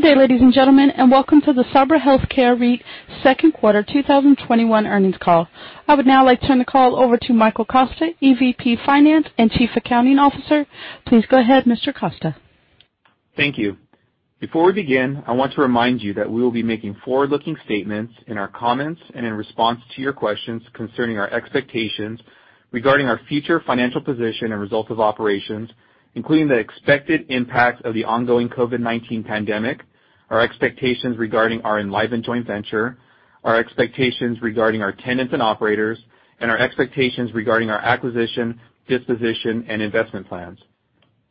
Good day, ladies and gentlemen, and welcome to the Sabra Health Care REIT second quarter 2021 earnings call. I would now like to turn the call over to Michael Costa, EVP Finance and Chief Accounting Officer. Please go ahead, Mr. Costa. Thank you. Before we begin, I want to remind you that we will be making forward-looking statements in our comments and in response to your questions concerning our expectations regarding our future financial position and results of operations, including the expected impact of the ongoing COVID-19 pandemic, our expectations regarding our Enlivant Joint Venture, our expectations regarding our tenants and operators, and our expectations regarding our acquisition, disposition, and investment plans.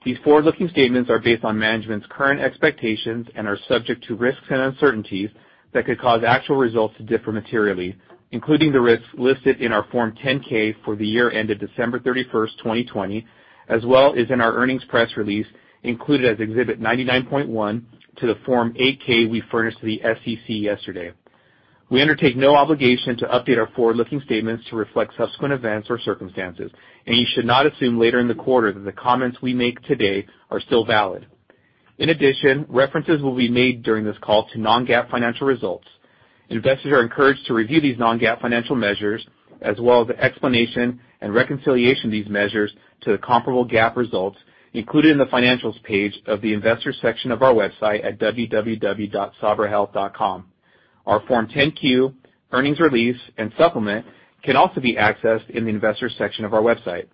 These forward-looking statements are based on management's current expectations and are subject to risks and uncertainties that could cause actual results to differ materially, including the risks listed in our Form 10-K for the year ended December 31st, 2020, as well as in our earnings press release included as Exhibit 99.1 to the Form 8-K we furnished to the SEC yesterday. We undertake no obligation to update our forward-looking statements to reflect subsequent events or circumstances, and you should not assume later in the quarter that the comments we make today are still valid. In addition, references will be made during this call to non-GAAP financial results. Investors are encouraged to review these non-GAAP financial measures as well as the explanation and reconciliation of these measures to the comparable GAAP results included in the financials page of the Investors Section of our website at www.sabrahealth.com. Our Form 10-Q, earnings release, and supplement can also be accessed in the Investors Section of our website.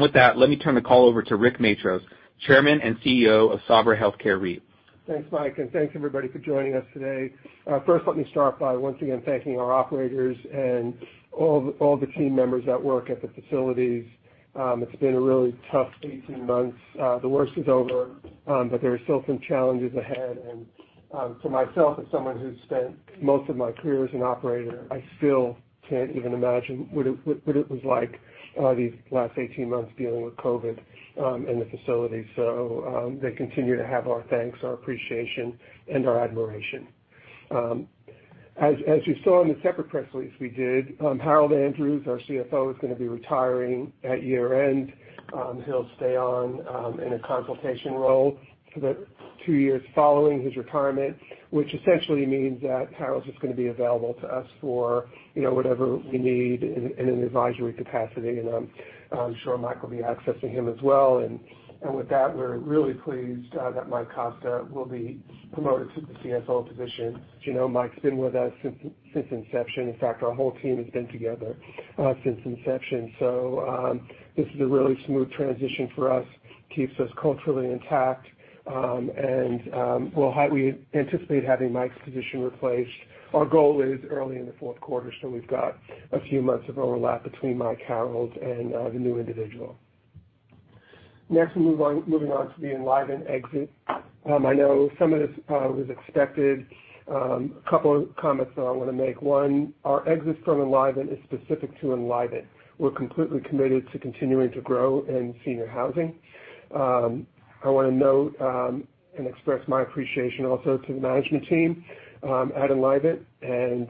With that, let me turn the call over to Rick Matros, Chairman and CEO of Sabra Health Care REIT. Thanks, Mike. Thanks, everybody, for joining us today. First, let me start by once again thanking our operators and all the team members that work at the facilities. It's been a really tough 18 months. The worst is over, but there are still some challenges ahead. For myself, as someone who's spent most of my career as an operator, I still can't even imagine what it was like these last 18 months dealing with COVID in the facility. They continue to have our thanks, our appreciation, and our admiration. As you saw in the separate press release we did, Harold Andrews, our CFO, is going to be retiring at year-end. He'll stay on in a consultation role for the two years following his retirement, which essentially means that Harold's just going to be available to us for whatever we need in an advisory capacity, and I'm sure Mike will be accessing him as well. With that, we're really pleased that Mike Costa will be promoted to the CFO position. As you know, Mike's been with us since inception. In fact, our whole team has been together since inception. This is a really smooth transition for us, keeps us culturally intact. We anticipate having Mike's position replaced, our goal is early in the fourth quarter, so we've got a few months of overlap between Harold Andrews and the new individual. Next, moving on to the Enlivant exit. I know some of this was expected. A couple of comments that I want to make. One, our exit from Enlivant is specific to Enlivant. We're completely committed to continuing to grow in senior housing. I want to note and express my appreciation also to the management team at Enlivant and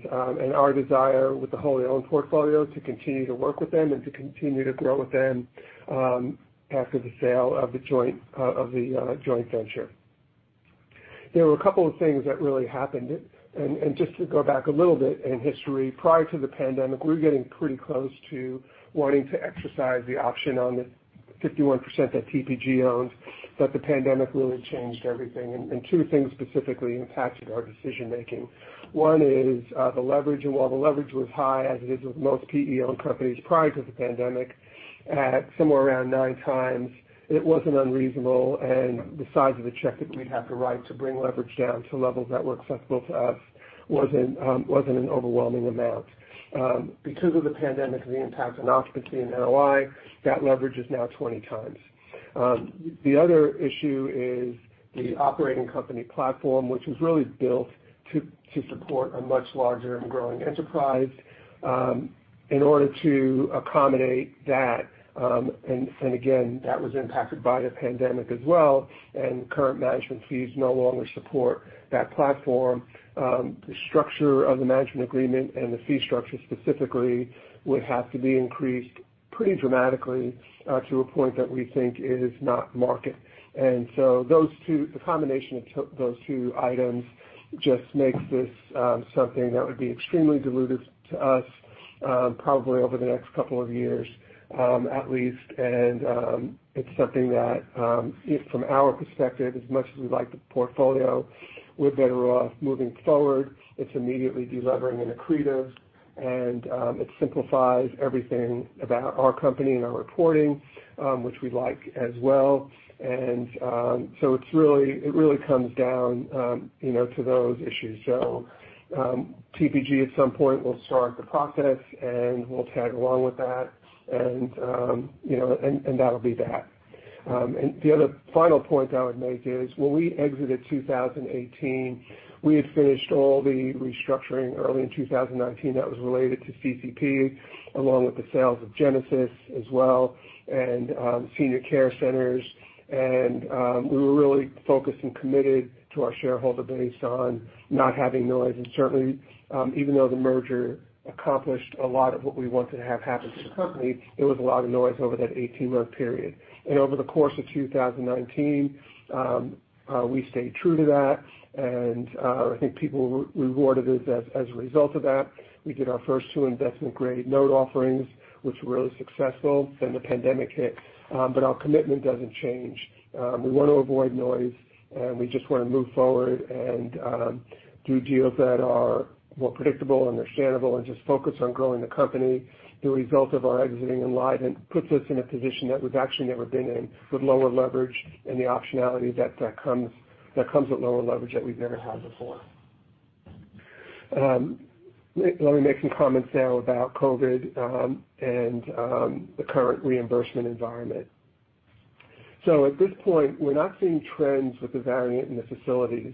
our desire with the wholly owned portfolio to continue to work with them and to continue to grow with them after the sale of the joint venture. There were a couple of things that really happened. Just to go back a little bit in history, prior to the pandemic, we were getting pretty close to wanting to exercise the option on the 51% that TPG owns, but the pandemic really changed everything. Two things specifically impacted our decision-making. One is the leverage. While the leverage was high, as it is with most PE-owned companies prior to the pandemic, at somewhere around 9x, it wasn't unreasonable. The size of the check that we'd have to write to bring leverage down to levels that were acceptable to us wasn't an overwhelming amount. Because of the pandemic and the impact on occupancy and NOI, that leverage is now 20x. The other issue is the operating company platform, which was really built to support a much larger and growing enterprise in order to accommodate that, and again, that was impacted by the pandemic as well, and current management fees no longer support that platform. The structure of the management agreement and the fee structure specifically would have to be increased pretty dramatically to a point that we think is not market. The combination of those two items just makes this something that would be extremely dilutive to us probably over the next couple of years at least. It's something that from our perspective, as much as we like the portfolio, we're better off moving forward. It's immediately delevering and accretive. It simplifies everything about our company and our reporting, which we like as well. It really comes down to those issues. TPG at some point will start the process, and we'll tag along with that, and that'll be that. The other final point I would make is when we exited 2018, we had finished all the restructuring early in 2019 that was related to CCP, along with the sales of Genesis as well, and Senior Care Centers. We were really focused and committed to our shareholder base on not having noise. Certainly, even though the merger accomplished a lot of what we wanted to have happen to the company, it was a lot of noise over that 18-month period. Over the course of 2019, we stayed true to that, and I think people rewarded us as a result of that. We did our first two investment-grade note offerings, which were really successful. The pandemic hit, but our commitment doesn't change. We want to avoid noise, we just want to move forward and do deals that are more predictable and understandable and just focus on growing the company. The result of our exiting Enlivant puts us in a position that we've actually never been in, with lower leverage and the optionality that comes with lower leverage that we've never had before. Let me make some comments now about COVID and the current reimbursement environment. At this point, we're not seeing trends with the variant in the facilities,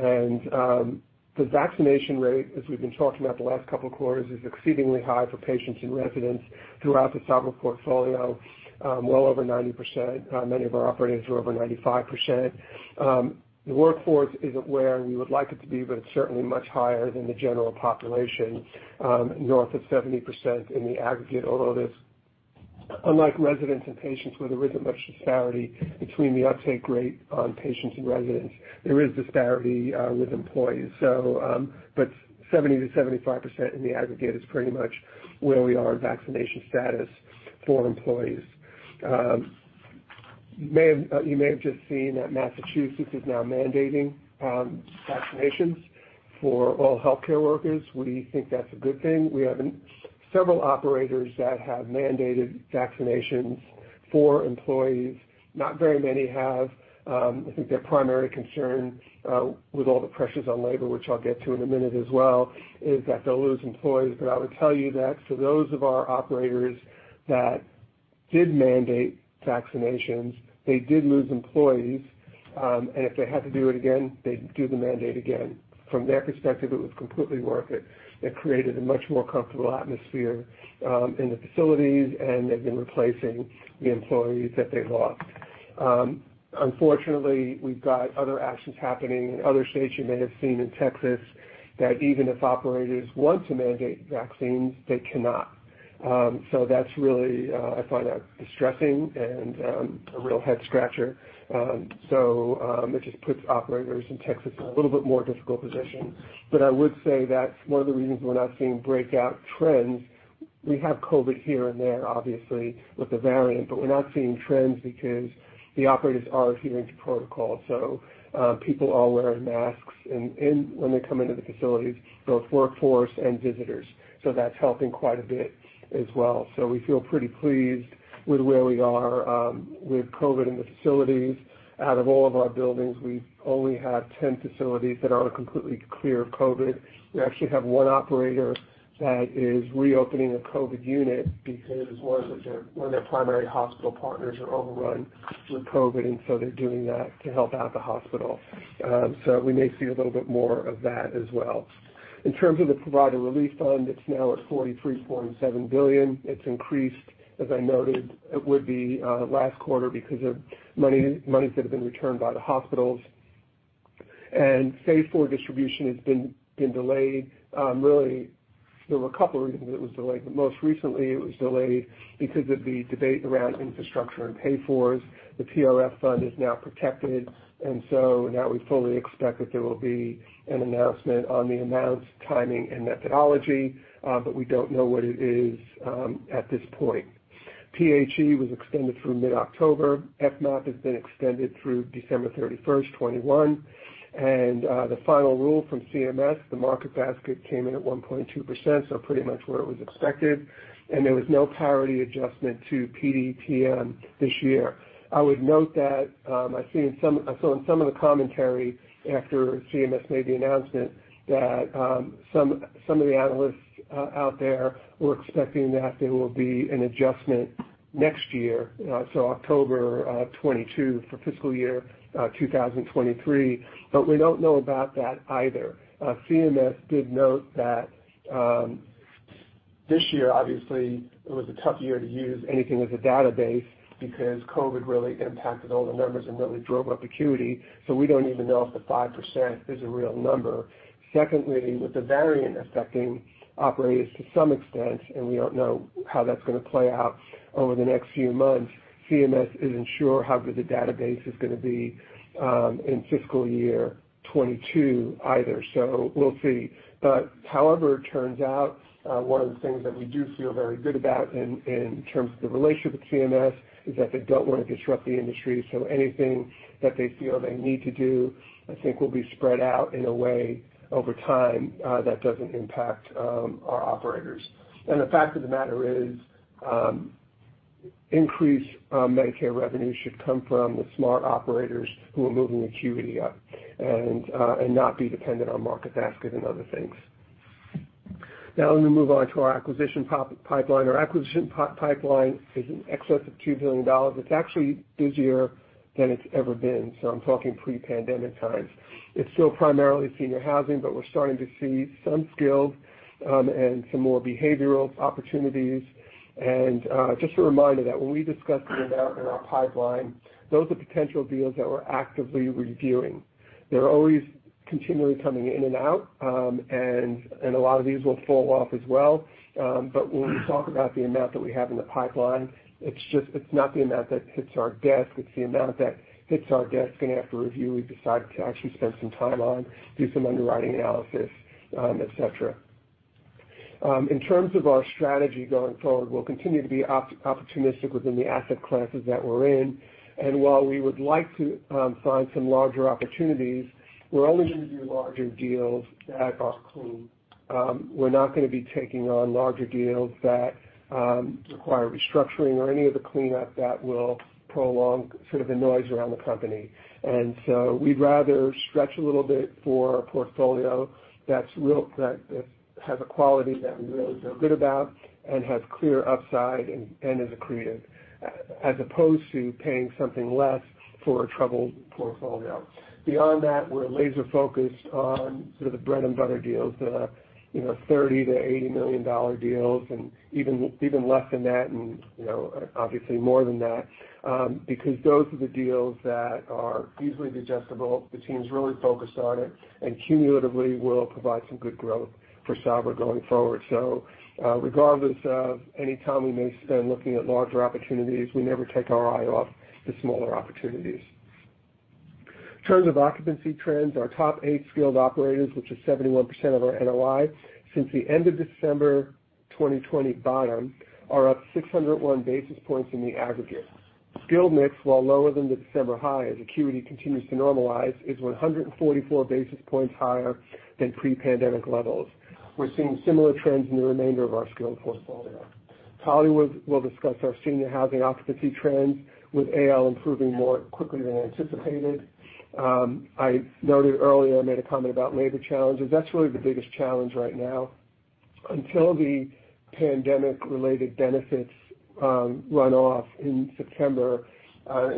and the vaccination rate, as we've been talking about the last couple of quarters, is exceedingly high for patients and residents throughout the Sabra portfolio, well over 90%. Many of our operators are over 95%. The workforce isn't where we would like it to be, but it's certainly much higher than the general population, north of 70% in the aggregate, although unlike residents and patients where there isn't much disparity between the uptake rate on patients and residents, there is disparity with employees. So but 70%-75% in the aggregate is pretty much where we are in vaccination status for employees. You may have just seen that Massachusetts is now mandating vaccinations for all healthcare workers. We think that's a good thing. We have several operators that have mandated vaccinations for employees. Not very many have. I think their primary concern with all the pressures on labor, which I'll get to in a minute as well, is that they'll lose employees. I would tell you that for those of our operators that did mandate vaccinations, they did lose employees, and if they had to do it again, they'd do the mandate again. From their perspective, it was completely worth it. It created a much more comfortable atmosphere in the facilities, and they've been replacing the employees that they lost. Unfortunately, we've got other actions happening in other states. You may have seen in Texas that even if operators want to mandate vaccines, they cannot. I find that distressing and a real head-scratcher. It just puts operators in Texas in a little bit more difficult position. I would say that's one of the reasons we're not seeing breakout trends. We have COVID here and there, obviously, with the variant. We're not seeing trends because the operators are adhering to protocol. People are wearing masks when they come into the facilities, both workforce and visitors. That's helping quite a bit as well. We feel pretty pleased with where we are with COVID in the facilities. Out of all of our buildings, we only have 10 facilities that aren't completely clear of COVID. We actually have one operator that is reopening a COVID unit because one of their primary hospital partners are overrun with COVID. They're doing that to help out the hospital. We may see a little bit more of that as well. In terms of the Provider Relief Fund, it's now at $43.7 billion. It's increased, as I noted it would be last quarter, because of monies that have been returned by the hospitals. Phase IV distribution has been delayed. Really, there were a couple of reasons it was delayed, but most recently it was delayed because of the debate around infrastructure and pay-fors. The PRF fund is now protected, and so now we fully expect that there will be an announcement on the amounts, timing, and methodology, but we don't know what it is at this point. PHE was extended through mid-October. FMAP has been extended through December 31st, 2021. The final rule from CMS, the market basket came in at 1.2%, so pretty much where it was expected, and there was no parity adjustment to PDPM this year. I would note that I saw in some of the commentary after CMS made the announcement that some of the analysts out there were expecting that there will be an adjustment next year, so October 2022 for fiscal year 2023, but we don't know about that either. CMS did note that this year, obviously, it was a tough year to use anything as a database because COVID really impacted all the numbers and really drove up acuity. We don't even know if the 5% is a real number. Secondly, with the variant affecting operators to some extent, and we don't know how that's going to play out over the next few months, CMS isn't sure how good the database is going to be in fiscal year 2022 either. We'll see. However it turns out, one of the things that we do feel very good about in terms of the relationship with CMS is that they don't want to disrupt the industry. Anything that they feel they need to do, I think will be spread out in a way over time that doesn't impact our operators. The fact of the matter is, increased Medicare revenue should come from the smart operators who are moving acuity up and not be dependent on market basket and other things. Let me move on to our acquisition pipeline. Our acquisition pipeline is in excess of $2 billion. It's actually busier than it's ever been. I'm talking pre-pandemic times. It's still primarily senior housing, but we're starting to see some skilled and some more behavioral opportunities. Just a reminder that when we discuss the amount in our pipeline, those are potential deals that we're actively reviewing. They're always continually coming in and out, and a lot of these will fall off as well. When we talk about the amount that we have in the pipeline, it's not the amount that hits our desk, it's the amount that hits our desk and after review, we decide to actually spend some time on, do some underwriting analysis, et cetera. In terms of our strategy going forward, we'll continue to be opportunistic within the asset classes that we're in. While we would like to find some larger opportunities, we're only going to do larger deals that are clean. We're not going to be taking on larger deals that require restructuring or any of the cleanup that will prolong sort of the noise around the company. We'd rather stretch a little bit for a portfolio that has a quality that we really feel good about and has clear upside and is accretive, as opposed to paying something less for a troubled portfolio. Beyond that, we're laser-focused on sort of the bread-and-butter deals, the $30 million-$80 million deals, and even less than that, and obviously more than that because those are the deals that are easily digestible. The team's really focused on it, and cumulatively will provide some good growth for Sabra going forward. Regardless of any time we may spend looking at larger opportunities, we never take our eye off the smaller opportunities. In terms of occupancy trends, our top eight skilled operators, which is 71% of our NOI since the end of December 2020 bottom, are up 601 basis points in the aggregate. Skilled mix, while lower than the December high as acuity continues to normalize, is 144 basis points higher than pre-pandemic levels. We're seeing similar trends in the remainder of our skilled portfolio. Talya will discuss our senior housing occupancy trends with AL improving more quickly than anticipated. I noted earlier, I made a comment about labor challenges. That's really the biggest challenge right now. Until the pandemic-related benefits run off in September, I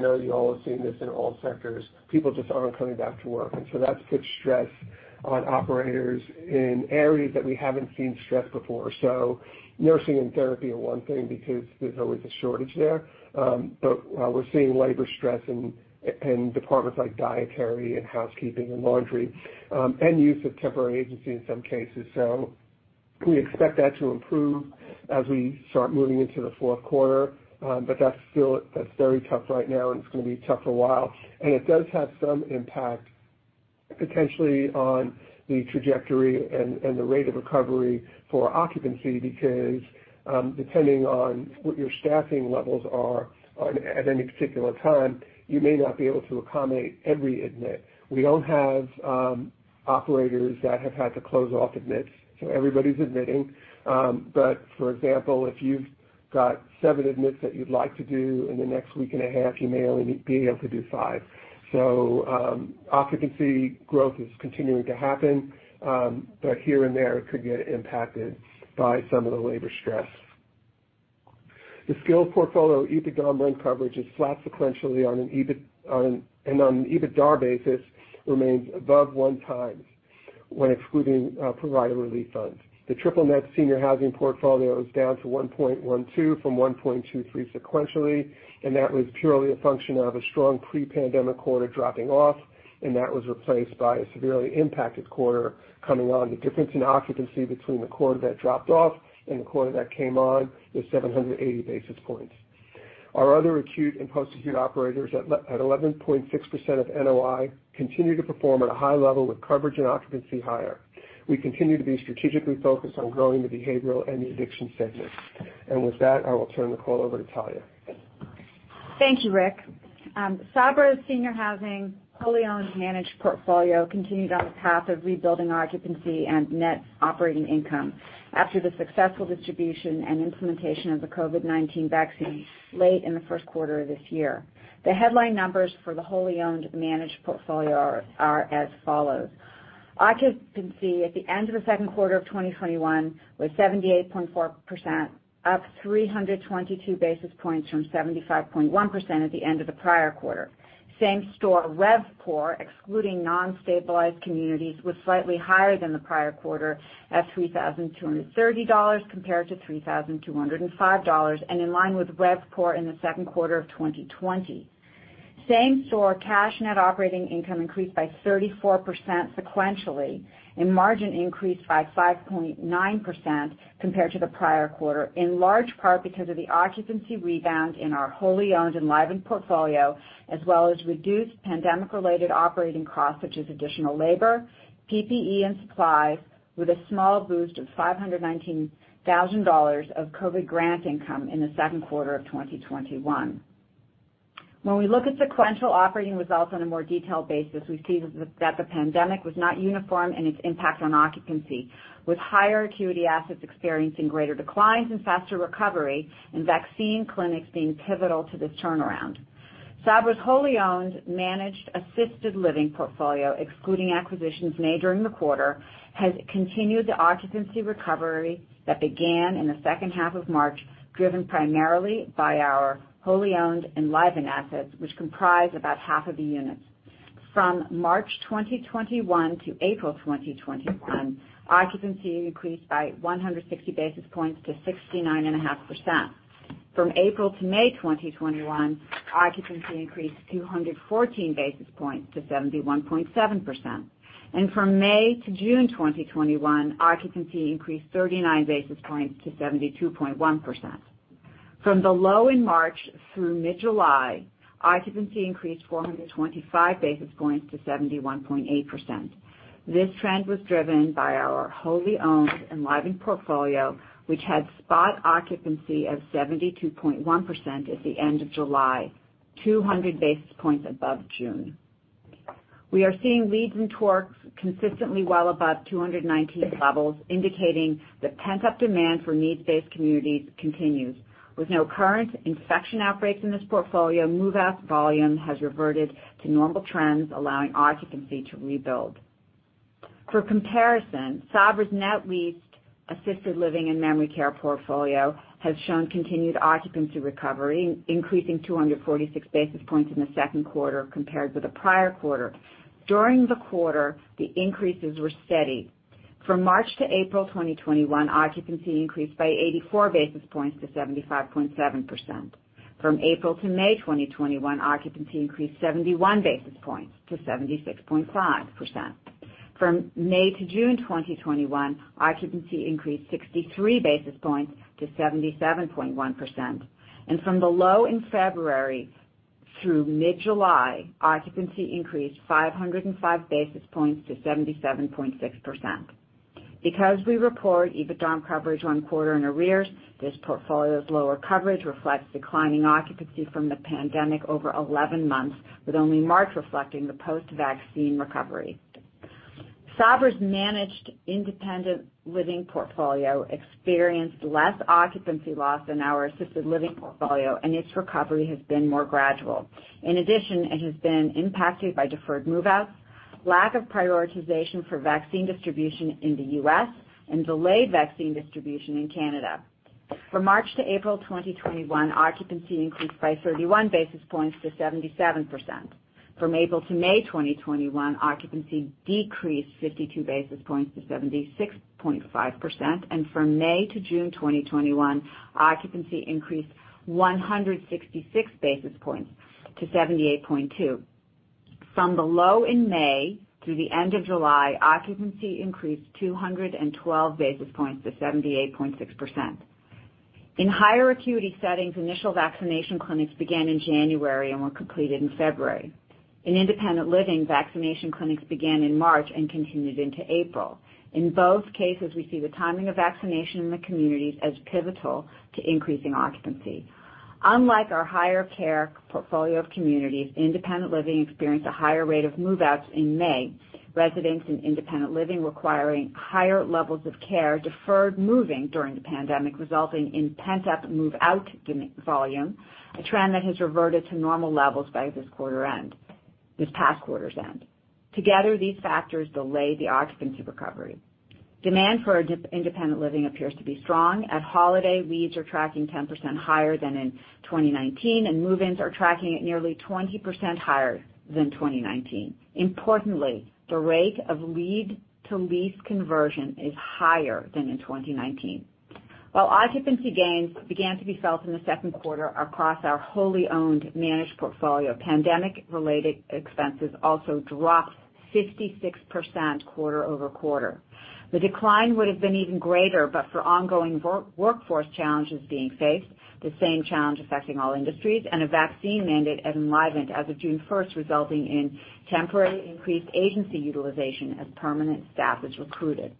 know you all are seeing this in all sectors, people just aren't coming back to work. That's put stress on operators in areas that we haven't seen stress before. Nursing and therapy are one thing because there's always a shortage there. We're seeing labor stress in departments like dietary and housekeeping and laundry, and use of temporary agencies in some cases. We expect that to improve as we start moving into the fourth quarter. That's very tough right now, and it's going to be tough for a while. It does have some impact potentially on the trajectory and the rate of recovery for occupancy because, depending on what your staffing levels are at any particular time, you may not be able to accommodate every admit. We don't have operators that have had to close off admits, so everybody's admitting. For example, if you've got seven admits that you'd like to do in the next week and a half, you may only be able to do five. Occupancy growth is continuing to happen, but here and there, it could get impacted by some of the labor stress. The skilled portfolio EBITDA rent coverage is flat sequentially and on an EBITDA basis remains above one times when excluding Provider Relief Fund. The triple net senior housing portfolio is down to 1.12% from 1.23% sequentially, and that was purely a function of a strong pre-pandemic quarter dropping off, and that was replaced by a severely impacted quarter coming on. The difference in occupancy between the quarter that dropped off and the quarter that came on was 780 basis points. Our other acute and post-acute operators at 11.6% of NOI continue to perform at a high level with coverage and occupancy higher. We continue to be strategically focused on growing the behavioral and the addiction segments. With that, I will turn the call over to Talya. Thank you, Rick. Sabra's senior housing wholly owned managed portfolio continued on the path of rebuilding occupancy and net operating income after the successful distribution and implementation of the COVID-19 vaccine late in the first quarter of this year. The headline numbers for the wholly owned managed portfolio are as follows. Occupancy at the end of the second quarter of 2021 was 78.4%, up 322 basis points from 75.1% at the end of the prior quarter. Same store RevPOR, excluding non-stabilized communities, was slightly higher than the prior quarter at $3,230 compared to $3,205, and in line with RevPOR in the second quarter of 2020. Same store cash net operating income increased by 34% sequentially, and margin increased by 5.9% compared to the prior quarter, in large part because of the occupancy rebound in our wholly owned Enlivant portfolio, as well as reduced pandemic-related operating costs such as additional labor, PPE and supplies, with a small boost of $519,000 of COVID grant income in the second quarter of 2021. When we look at sequential operating results on a more detailed basis, we see that the pandemic was not uniform in its impact on occupancy, with higher acuity assets experiencing greater declines and faster recovery, and vaccine clinics being pivotal to this turnaround. Sabra's wholly owned managed assisted living portfolio, excluding acquisitions made during the quarter, has continued the occupancy recovery that began in the second half of March, driven primarily by our wholly owned Enlivant assets, which comprise about half of the units. From March 2021 to April 2021, occupancy increased by 160 basis points to 69.5%. From April to May 2021, occupancy increased 214 basis points to 71.7%. From May to June 2021, occupancy increased 39 basis points to 72.1%. From the low in March through mid-July, occupancy increased 425 basis points to 71.8%. This trend was driven by our wholly owned Enlivant portfolio, which had spot occupancy of 72.1% at the end of July, 200 basis points above June. We are seeing leads and tours consistently well above 2019 levels, indicating that pent-up demand for needs-based communities continues. With no current infection outbreaks in this portfolio, move-out volume has reverted to normal trends, allowing occupancy to rebuild. For comparison, Sabra's net leased assisted living and memory care portfolio has shown continued occupancy recovery, increasing 246 basis points in the second quarter compared with the prior quarter. During the quarter, the increases were steady. From March to April 2021, occupancy increased by 84 basis points to 75.7%. From April to May 2021, occupancy increased 71 basis points to 76.5%. From May to June 2021, occupancy increased 63 basis points to 77.1%. From the low in February through mid-July, occupancy increased 505 basis points to 77.6%. Because we report EBITDA coverage one quarter in arrears, this portfolio's lower coverage reflects declining occupancy from the pandemic over 11 months, with only March reflecting the post-vaccine recovery. Sabra's managed independent living portfolio experienced less occupancy loss than our assisted living portfolio, and its recovery has been more gradual. In addition, it has been impacted by deferred move-outs, lack of prioritization for vaccine distribution in the U.S., and delayed vaccine distribution in Canada. From March to April 2021, occupancy increased by 31 basis points to 77%. From April to May 2021, occupancy decreased 52 basis points to 76.5%, and from May to June 2021, occupancy increased 166 basis points to 78.2%. From the low in May through the end of July, occupancy increased 212 basis points to 78.6%. In higher acuity settings, initial vaccination clinics began in January and were completed in February. In independent living, vaccination clinics began in March and continued into April. In both cases, we see the timing of vaccination in the communities as pivotal to increasing occupancy. Unlike our higher care portfolio of communities, independent living experienced a higher rate of move-outs in May. Residents in independent living requiring higher levels of care deferred moving during the pandemic, resulting in pent-up move-out volume, a trend that has reverted to normal levels by this past quarter's end. Together, these factors delay the occupancy recovery. Demand for independent living appears to be strong. At Holiday, leads are tracking 10% higher than in 2019, and move-ins are tracking at nearly 20% higher than 2019. Importantly, the rate of lead to lease conversion is higher than in 2019. While occupancy gains began to be felt in the second quarter across our wholly owned managed portfolio, pandemic related expenses also dropped 56% quarter-over-quarter. The decline would have been even greater, but for ongoing workforce challenges being faced, the same challenge affecting all industries, and a vaccine mandate at Enlivant as of June 1st, resulting in temporary increased agency utilization as permanent staff is recruited.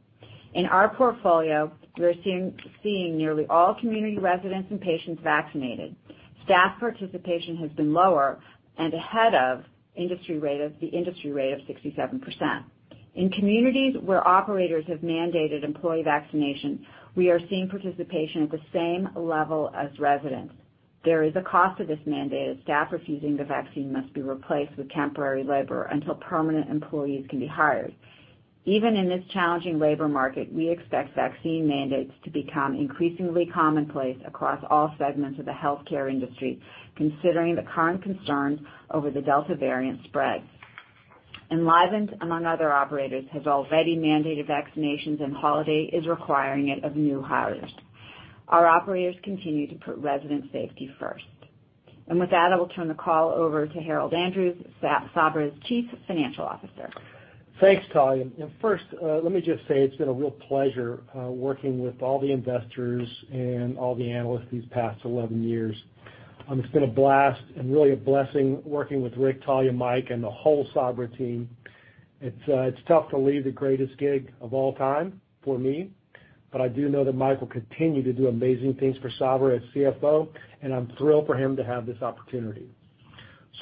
In our portfolio, we're seeing nearly all community residents and patients vaccinated. Staff participation has been lower and ahead of the industry rate of 67%. In communities where operators have mandated employee vaccination, we are seeing participation at the same level as residents. There is a cost to this mandate, as staff refusing the vaccine must be replaced with temporary labor until permanent employees can be hired. Even in this challenging labor market, we expect vaccine mandates to become increasingly commonplace across all segments of the healthcare industry, considering the current concerns over the Delta variant spread. Enlivant, among other operators, has already mandated vaccinations, and Holiday is requiring it of new hires. Our operators continue to put resident safety first. With that, I will turn the call over to Harold Andrews, Sabra's Chief Financial Officer. Thanks, Talya. Let me just say it's been a real pleasure working with all the investors and all the analysts these past 11 years. It's been a blast and really a blessing working with Rick, Talya, Mike, and the whole Sabra team. It's tough to leave the greatest gig of all time for me. I do know that Mike will continue to do amazing things for Sabra as CFO, and I'm thrilled for him to have this opportunity.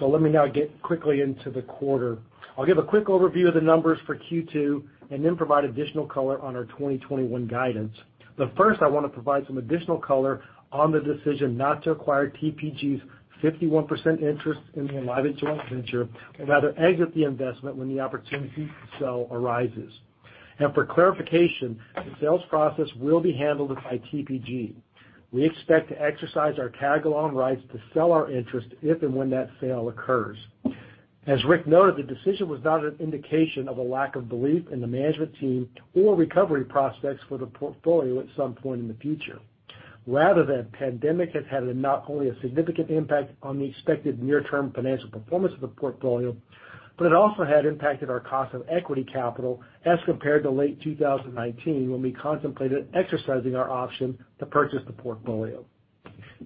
Let me now get quickly into the quarter. I'll give a quick overview of the numbers for Q2 and then provide additional color on our 2021 guidance. First, I want to provide some additional color on the decision not to acquire TPG's 51% interest in the Enlivant Joint Venture and rather exit the investment when the opportunity to sell arises. For clarification, the sales process will be handled by TPG. We expect to exercise our tag-along rights to sell our interest if and when that sale occurs. As Rick noted, the decision was not an indication of a lack of belief in the management team or recovery prospects for the portfolio at some point in the future. Rather, the pandemic has had not only a significant impact on the expected near-term financial performance of the portfolio, but it also had impacted our cost of equity capital as compared to late 2019, when we contemplated exercising our option to purchase the portfolio.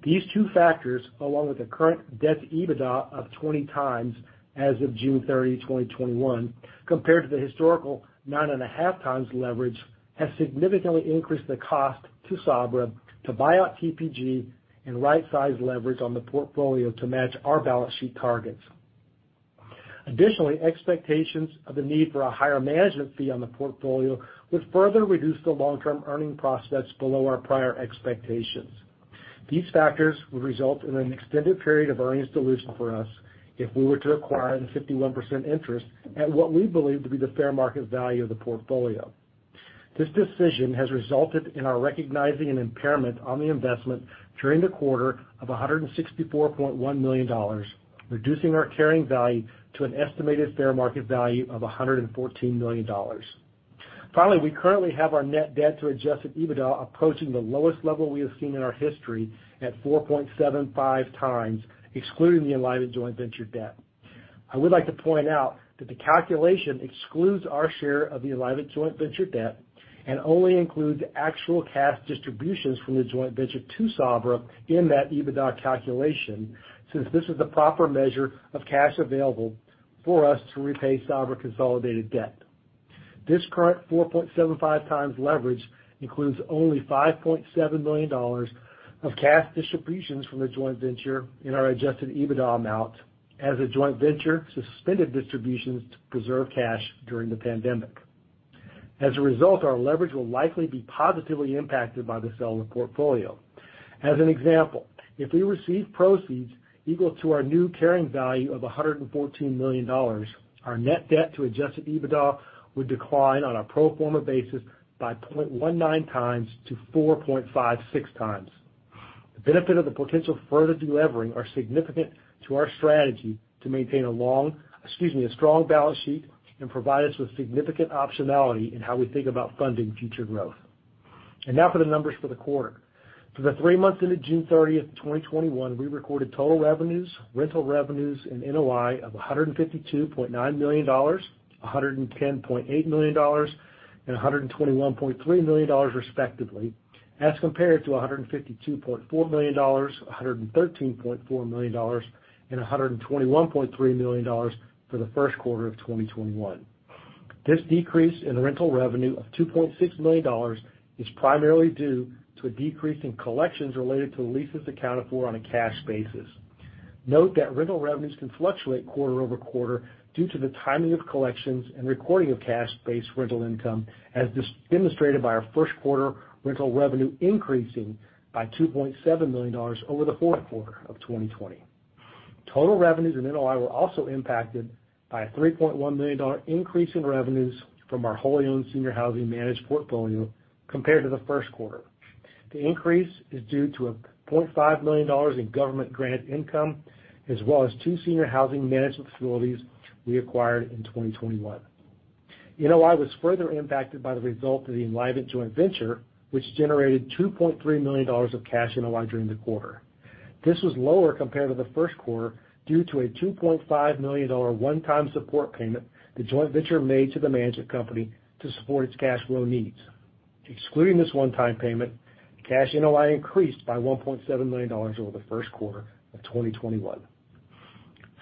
These two factors, along with the current debt-EBITDA of 20x as of June 30, 2021, compared to the historical 9.5x leverage, has significantly increased the cost to Sabra to buy out TPG and right-size leverage on the portfolio to match our balance sheet targets. Additionally, expectations of the need for a higher management fee on the portfolio would further reduce the long-term earning prospects below our prior expectations. These factors would result in an extended period of earnings dilution for us if we were to acquire the 51% interest at what we believe to be the fair market value of the portfolio. This decision has resulted in our recognizing an impairment on the investment during the quarter of $164.1 million, reducing our carrying value to an estimated fair market value of $114 million. Finally, we currently have our net debt-to-adjusted EBITDA approaching the lowest level we have seen in our history at 4.75x, excluding the Enlivant Joint Venture debt. I would like to point out that the calculation excludes our share of the Enlivant Joint Venture debt and only includes actual cash distributions from the joint venture to Sabra in that EBITDA calculation, since this is the proper measure of cash available for us to repay Sabra consolidated debt. This current 4.75x leverage includes only $5.7 million of cash distributions from the joint venture in our adjusted EBITDA amount as the joint venture suspended distributions to preserve cash during the pandemic. As a result, our leverage will likely be positively impacted by the sale of the portfolio. As an example, if we receive proceeds equal to our new carrying value of $114 million, our net debt-to-adjusted EBITDA would decline on a pro forma basis by 0.19x to 4.56x. The benefit of the potential further delevering are significant to our strategy to maintain a strong balance sheet and provide us with significant optionality in how we think about funding future growth. Now for the numbers for the quarter. For the three months ended June 30th, 2021, we recorded total revenues, rental revenues, and NOI of $152.9 million, $110.8 million, and $121.3 million respectively, as compared to $152.4 million, $113.4 million, and $121.3 million for the first quarter of 2021. This decrease in rental revenue of $2.6 million is primarily due to a decrease in collections related to leases accounted for on a cash basis. Note that rental revenues can fluctuate quarter-over-quarter due to the timing of collections and recording of cash-based rental income, as demonstrated by our first quarter rental revenue increasing by $2.7 million over the fourth quarter of 2020. Total revenues and NOI were also impacted by a $3.1 million increase in revenues from our wholly owned senior housing managed portfolio compared to the first quarter. The increase is due to a $0.5 million in government grant income as well as two senior housing management facilities we acquired in 2021. NOI was further impacted by the result of the Enlivant Joint Venture, which generated $2.3 million of cash NOI during the quarter. This was lower compared to the first quarter due to a $2.5 million one-time support payment the joint venture made to the management company to support its cash flow needs. Excluding this one-time payment, cash NOI increased by $1.7 million over the first quarter of 2021.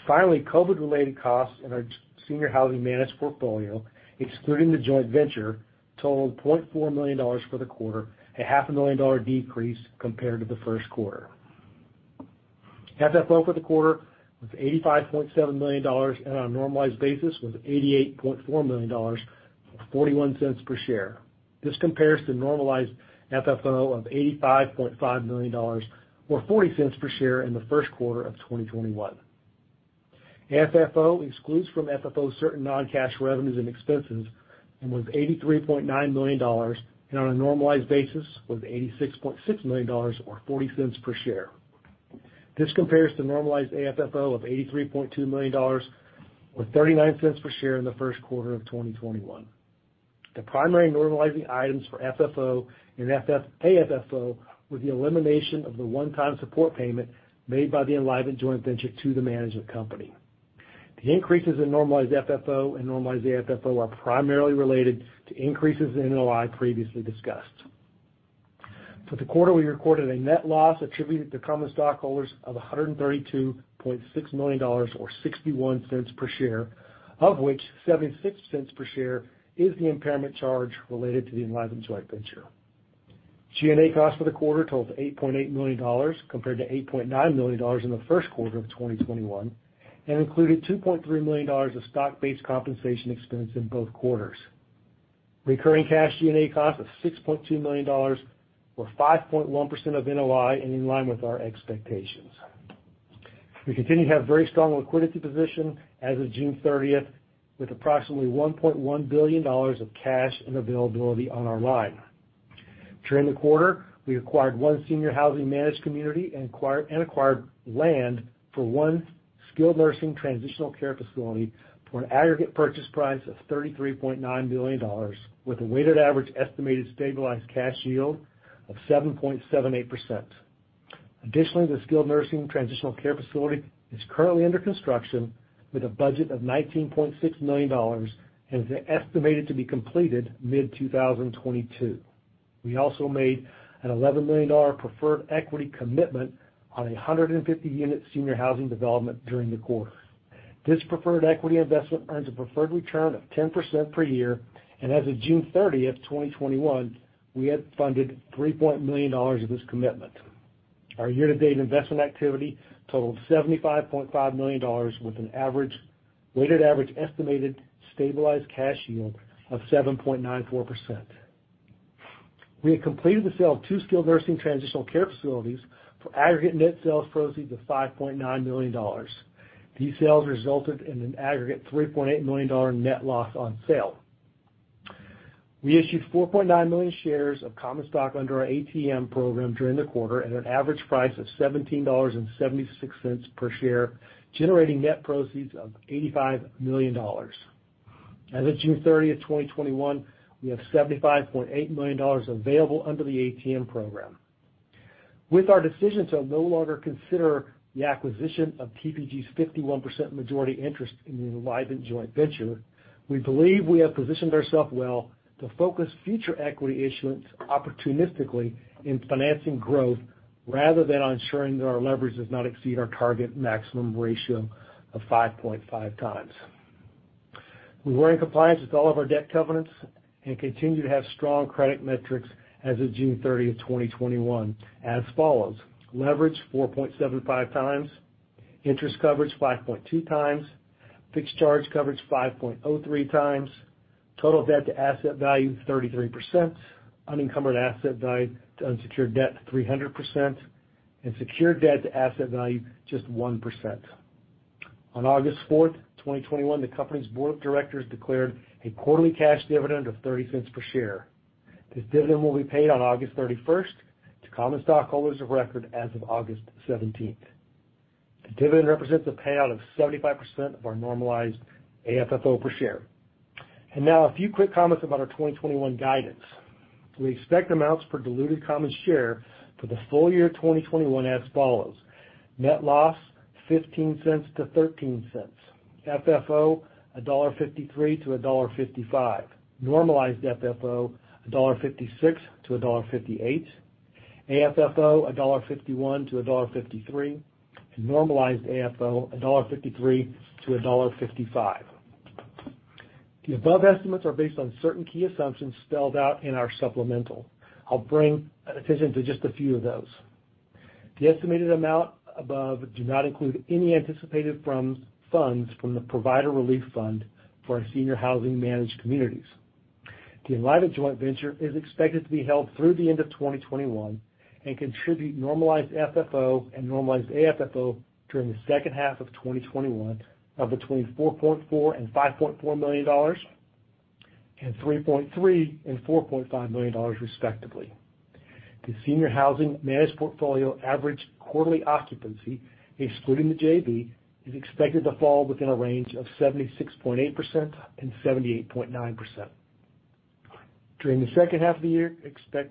Finally, COVID-related costs in our senior housing managed portfolio, excluding the joint venture, totaled $0.4 million for the quarter, a half a million dollar decrease compared to the first quarter. FFO for the quarter was $85.7 million, and on a normalized basis was $88.4 million or $0.41 per share. This compares to normalized FFO of $85.5 million or $0.40 per share in the first quarter of 2021. AFFO excludes from FFO certain non-cash revenues and expenses and was $83.9 million, and on a normalized basis was $86.6 million or $0.40 per share. This compares to normalized AFFO of $83.2 million or $0.39 per share in the first quarter of 2021. The primary normalizing items for FFO and AFFO were the elimination of the one-time support payment made by the Enlivant Joint Venture to the management company. The increases in normalized FFO and normalized AFFO are primarily related to increases in NOI previously discussed. For the quarter, we recorded a net loss attributed to common stockholders of $132.6 million, or $0.61 per share, of which $0.76 per share is the impairment charge related to the Enlivant Joint Venture. G&A costs for the quarter totaled $8.8 million, compared to $8.9 million in the first quarter of 2021, and included $2.3 million of stock-based compensation expense in both quarters. Recurring cash G&A costs of $6.2 million, or 5.1% of NOI, and in line with our expectations. We continue to have very strong liquidity position as of June 30th, with approximately $1.1 billion of cash and availability on our line. During the quarter, we acquired one senior housing managed community and acquired land for one skilled nursing transitional care facility for an aggregate purchase price of $33.9 million, with a weighted average estimated stabilized cash yield of 7.78%. Additionally, the skilled nursing transitional care facility is currently under construction with a budget of $19.6 million and is estimated to be completed mid-2022. We also made an $11 million preferred equity commitment on a 150-unit senior housing development during the quarter. This preferred equity investment earns a preferred return of 10% per year, and as of June 30th, 2021, we had funded $3 million of this commitment. Our year-to-date investment activity totaled $75.5 million, with an weighted average estimated stabilized cash yield of 7.94%. We had completed the sale of two skilled nursing transitional care facilities for aggregate net sales proceeds of $5.9 million. These sales resulted in an aggregate $3.8 million net loss on sale. We issued 4.9 million shares of common stock under our ATM program during the quarter at an average price of $17.76 per share, generating net proceeds of $85 million. As of June 30th, 2021, we have $75.8 million available under the ATM program. With our decision to no longer consider the acquisition of TPG's 51% majority interest in the Enlivant Joint Venture, we believe we have positioned ourself well to focus future equity issuance opportunistically in financing growth, rather than on ensuring that our leverage does not exceed our target maximum ratio of 5.5x. We were in compliance with all of our debt covenants and continue to have strong credit metrics as of June 30th, 2021, as follows. Leverage 4.75x, interest coverage 5.2x, fixed charge coverage 5.03x, total debt-to-asset value 33%, unencumbered asset value-to-unsecured debt 300%, and secured debt-to-asset value just 1%. On August 4th, 2021, the company's Board of Directors declared a quarterly cash dividend of $0.30 per share. This dividend will be paid on August 31st to common stockholders of record as of August 17th. The dividend represents a payout of 75% of our normalized AFFO per share. Now a few quick comments about our 2021 guidance. We expect amounts per diluted common share for the full year 2021 as follows. Net loss $0.15 to $0.13. FFO $1.53 to $1.55. Normalized FFO $1.56 to $1.58. AFFO $1.51 to $1.53. Normalized AFFO $1.53 to $1.55. The above estimates are based on certain key assumptions spelled out in our supplemental. I'll bring attention to just a few of those. The estimated amount above do not include any anticipated funds from the Provider Relief Fund for our senior housing managed communities. The Enlivant Joint Venture is expected to be held through the end of 2021 and contribute normalized FFO and normalized AFFO during the second half of 2021 of between $4.4 million and $5.4 million, and $3.3 million and $4.5 million respectively. The senior housing managed portfolio average quarterly occupancy, excluding the JV, is expected to fall within a range of 76.8% and 78.9%. During the second half of the year,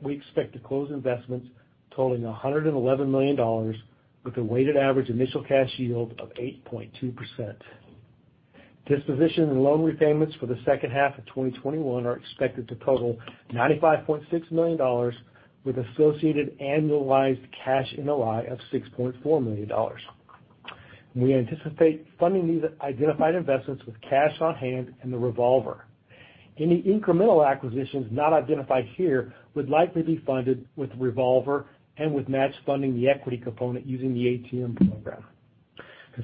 we expect to close investments totaling $111 million with a weighted average initial cash yield of 8.2%. Disposition and loan repayments for the second half of 2021 are expected to total $95.6 million with associated annualized cash NOI of $6.4 million. We anticipate funding these identified investments with cash on hand and the revolver. Any incremental acquisitions not identified here would likely be funded with revolver and with match funding the equity component using the ATM program.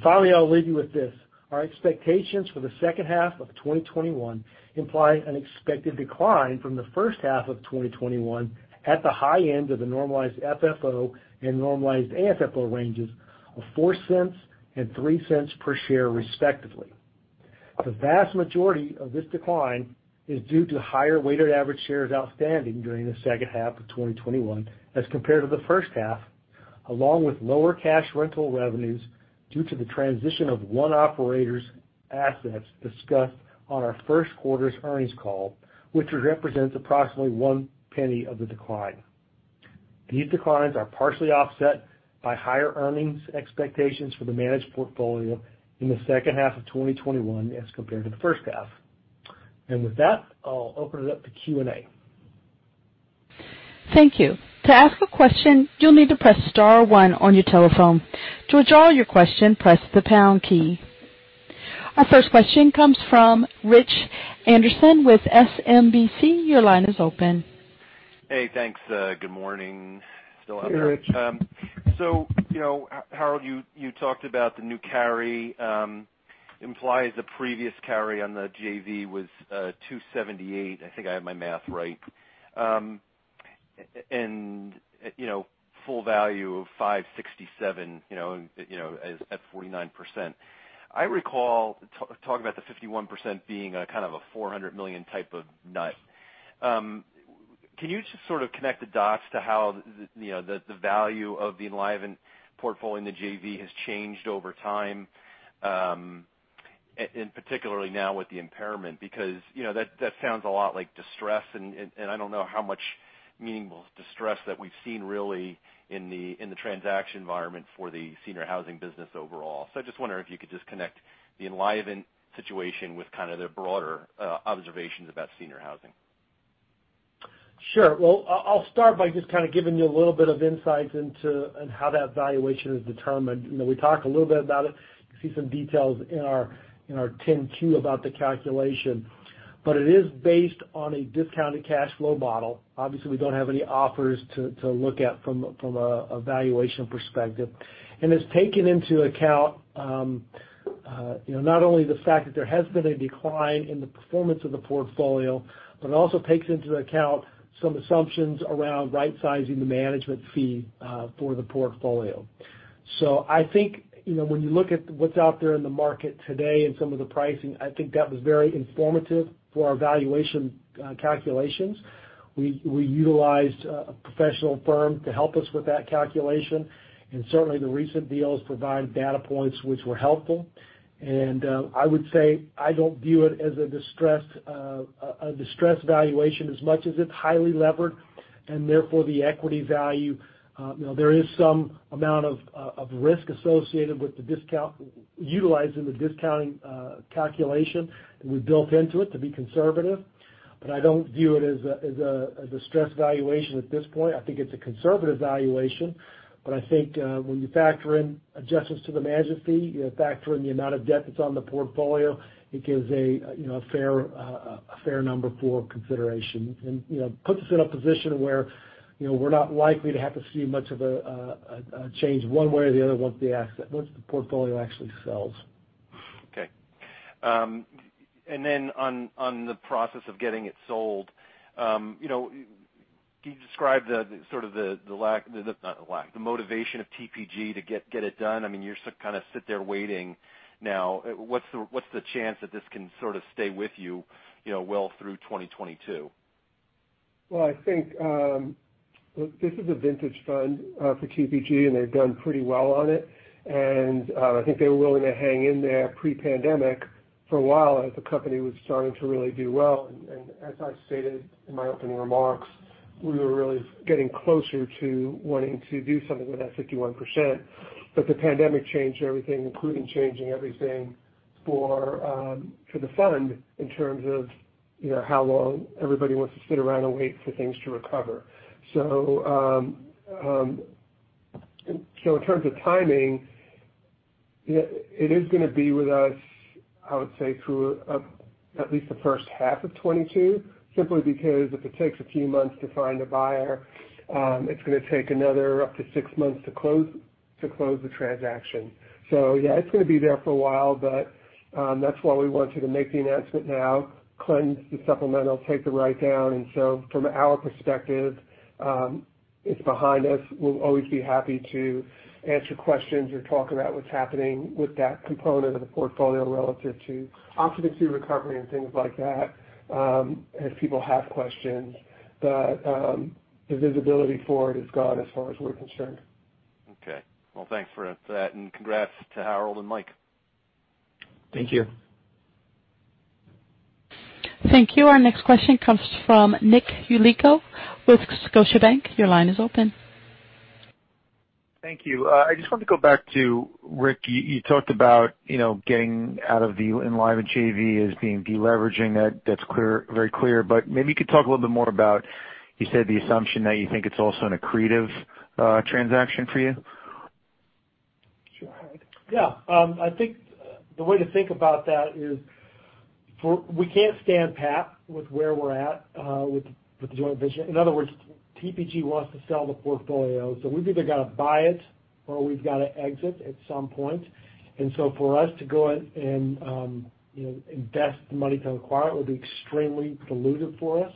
Finally, I'll leave you with this. Our expectations for the second half of 2021 imply an expected decline from the first half of 2021 at the high end of the normalized FFO and normalized AFFO ranges of $0.04 and $0.03 per share respectively. The vast majority of this decline is due to higher weighted average shares outstanding during the second half of 2021 as compared to the first half, along with lower cash rental revenues due to the transition of one operator's assets discussed on our first quarter's earnings call, which represents approximately $0.01 of the decline. These declines are partially offset by higher earnings expectations for the managed portfolio in the second half of 2021 as compared to the first half. With that, I'll open it up to Q&A. Thank you. To ask a question, you'll need to press star one on your telephone. To withdraw your question, press the pound key. Our first question comes from Rich Anderson with SMBC. Your line is open. Hey, thanks. Good morning. Still out there. Hey, Rich. Harold, you talked about the new carry implies the previous carry on the JV was $278 million, I think I have my math right. Full value of $567 million, at 49%. I recall talk about the 51% being a kind of a $400 million type of nut. Can you just sort of connect the dots to how the value of the Enlivant portfolio in the JV has changed over time, and particularly now with the impairment? That sounds a lot like distress, and I don't know how much meaningful distress that we've seen really in the transaction environment for the senior housing business overall. I just wonder if you could just connect the Enlivant situation with kind of the broader observations about senior housing. Sure. Well, I'll start by just kind of giving you a little bit of insights into how that valuation is determined. We talk a little bit about it. You see some details in our 10-Q about the calculation. It is based on a discounted cash flow model. Obviously, we don't have any offers to look at from a valuation perspective, and it's taken into account, not only the fact that there has been a decline in the performance of the portfolio, but it also takes into account some assumptions around right-sizing the management fee for the portfolio. I think, when you look at what's out there in the market today and some of the pricing, I think that was very informative for our valuation calculations. We utilized a professional firm to help us with that calculation, and certainly the recent deals provide data points which were helpful, and I would say I don't view it as a distressed valuation as much as it's highly levered, and therefore the equity value. There is some amount of risk associated with utilizing the discounting calculation, and we've built into it to be conservative, but I don't view it as a distressed valuation at this point. I think it's a conservative valuation. I think when you factor in adjustments to the management fee, you factor in the amount of debt that's on the portfolio, it gives a fair number for consideration and puts us in a position where we're not likely to have to see much of a change one way or the other once the portfolio actually sells. Okay. Then on the process of getting it sold, can you describe the sort of Not the lack, the motivation of TPG to get it done? I mean, you kind of sit there waiting now. What's the chance that this can sort of stay with you well through 2022? Well, I think, this is a vintage fund for TPG, and they've done pretty well on it. I think they were willing to hang in there pre-pandemic for a while as the company was starting to really do well. As I stated in my opening remarks, we were really getting closer to wanting to do something with that 51%. The pandemic changed everything, including changing everything for the fund in terms of how long everybody wants to sit around and wait for things to recover. In terms of timing, it is going to be with us, I would say, through at least the first half of 2022, simply because if it takes a few months to find a buyer, it's going to take another up to six months to close the transaction. Yeah, it's going to be there for a while, but that's why we wanted to make the announcement now, cleanse the supplemental, take the write-down. From our perspective, it's behind us. We'll always be happy to answer questions or talk about what's happening with that component of the portfolio relative to occupancy recovery and things like that, if people have questions. The visibility for it is gone as far as we're concerned. Okay. Well, thanks for that, and congrats to Harold and Mike. Thank you. Thank you. Our next question comes from Nick Yulico with Scotiabank. Your line is open. Thank you. I just wanted to go back to, Rick, you talked about getting out of the Enlivant JV as being deleveraging. That's very clear. Maybe you could talk a little bit more about, you said the assumption that you think it's also an accretive transaction for you. Sure. Yeah. I think the way to think about that is we can't stand pat with where we're at with the joint venture. In other words, TPG wants to sell the portfolio, so we've either got to buy it or we've either got to exit at some point. For us to go and invest the money to acquire it would be extremely dilutive for us.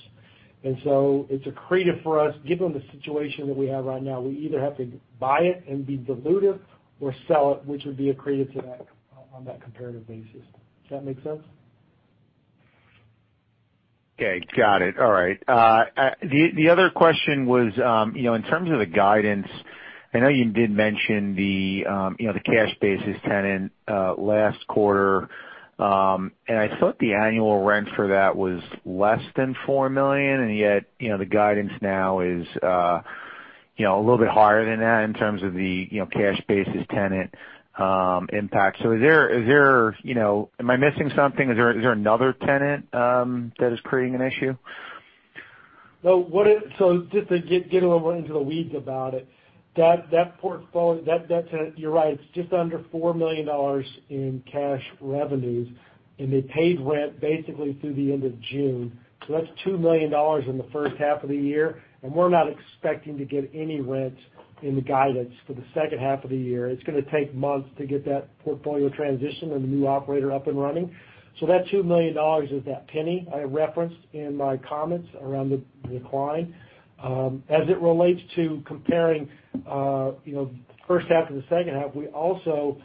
It's accretive for us given the situation that we have right now. We either have to buy it and be dilutive or sell it, which would be accretive on that comparative basis. Does that make sense? Okay. Got it. All right. The other question was, in terms of the guidance, I know you did mention the cash basis tenant last quarter. I thought the annual rent for that was less than $4 million, and yet, the guidance now is a little bit higher than that in terms of the cash basis tenant impact. Am I missing something? Is there another tenant that is creating an issue? Just to get a little into the weeds about it, you're right, it's just under $4 million in cash revenues, and they paid rent basically through the end of June. That's $2 million in the first half of the year, and we're not expecting to get any rent in the guidance for the second half of the year. It's going to take months to get that portfolio transition and the new operator up and running. That $2 million is that penny I referenced in my comments around the decline. As it relates to comparing the first half to the second half, we also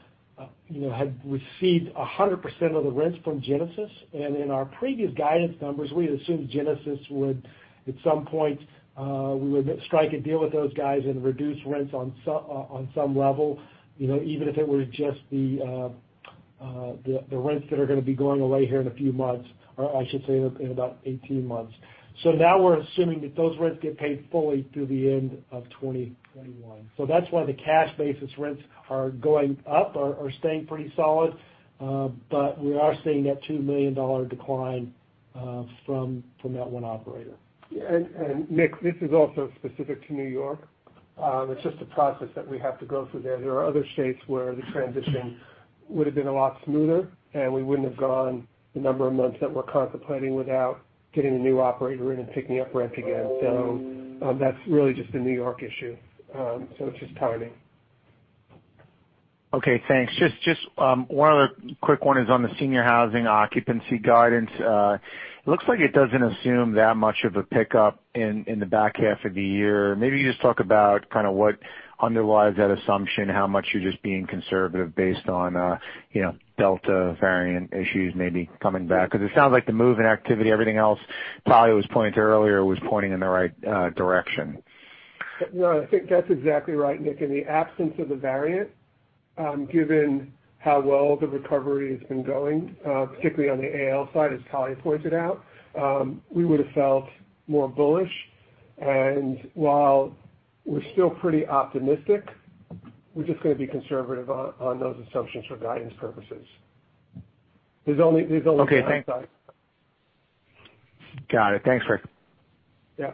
had received 100% of the rents from Genesis, and in our previous guidance numbers, we had assumed Genesis would, at some point, we would strike a deal with those guys and reduce rents on some level, even if it were just the rents that are going to be going away here in a few months, or I should say in about 18 months. Now we're assuming that those rents get paid fully through the end of 2021. That's why the cash basis rents are going up or staying pretty solid. We are seeing that $2 million decline from that one operator. Nick, this is also specific to New York. It's just a process that we have to go through there. There are other states where the transition would have been a lot smoother, and we wouldn't have gone the number of months that we're contemplating without getting a new operator in and picking up rent again. That's really just a New York issue. It's just timing. Okay, thanks. Just one other quick one is on the senior housing occupancy guidance. It looks like it doesn't assume that much of a pickup in the back half of the year. Maybe you just talk about what underlies that assumption, how much you're just being conservative based on Delta variant issues maybe coming back. It sounds like the move in activity, everything else Talya was pointing to earlier was pointing in the right direction. No, I think that's exactly right, Nick. In the absence of the variant, given how well the recovery has been going, particularly on the AL side, as Talya pointed out, we would've felt more bullish, and while we're still pretty optimistic, we're just going to be conservative on those assumptions for guidance purposes. There's only one side. Got it. Thanks, Rick. Yeah.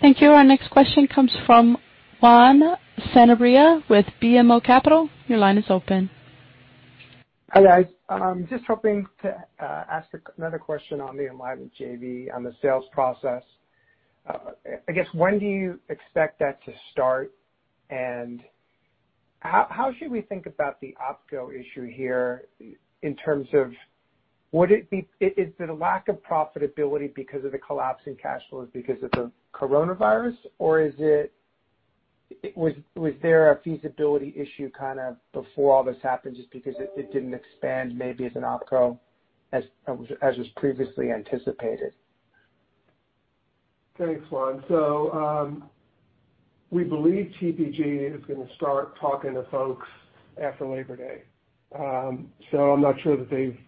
Thank you. Our next question comes from Juan Sanabria with BMO Capital. Your line is open. Hi, guys. Just hoping to ask another question on the Enlivant JV on the sales process. I guess, when do you expect that to start, and how should we think about the OpCo issue here in terms of, is the lack of profitability because of the collapse in cash flows because of the coronavirus, or was there a feasibility issue before all this happened, just because it didn't expand maybe as an OpCo as was previously anticipated? Thanks, Juan. We believe TPG is going to start talking to folks after Labor Day. I'm not sure that they've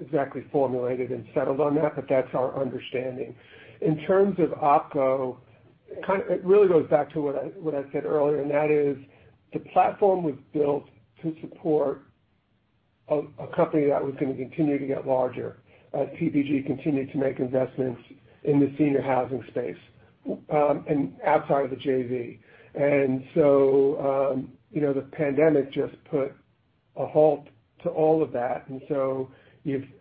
exactly formulated and settled on that, but that's our understanding. In terms of OpCo, it really goes back to what I said earlier, that is the platform was built to support a company that was going to continue to get larger as TPG continued to make investments in the senior housing space and outside of the JV. The pandemic just put a halt to all of that,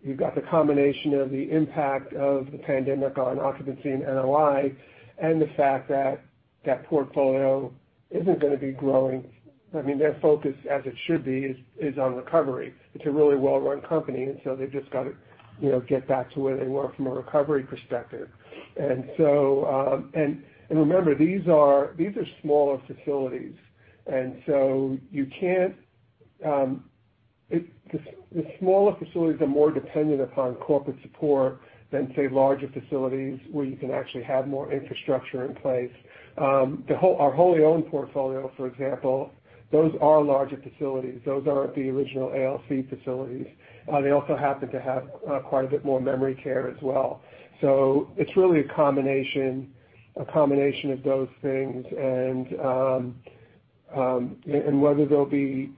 you've got the combination of the impact of the pandemic on occupancy and NOI and the fact that that portfolio isn't going to be growing. Their focus, as it should be, is on recovery. It's a really well-run company, they've just got to get back to where they were from a recovery perspective. Remember, these are smaller facilities, so the smaller facilities are more dependent upon corporate support than, say, larger facilities where you can actually have more infrastructure in place. Our wholly owned portfolio, for example, those are larger facilities. Those aren't the original ALC facilities. They also happen to have quite a bit more memory care as well. It's really a combination of those things, whether there'll be